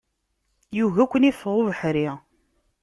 Yugi ad ken-iffeɣ ubeḥri.